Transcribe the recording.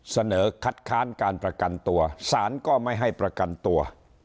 เสนอคัดค้านการประกันตัวสารก็ไม่ให้ประกันตัว